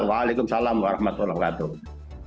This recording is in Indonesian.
waalaikumsalam warahmatullahi wabarakatuh